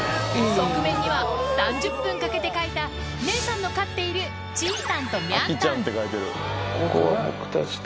側面には３０分かけて描いた姉さんの飼っているちーたんとミャンたん